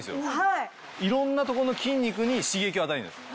いろんなとこの筋肉に刺激を与えるんです。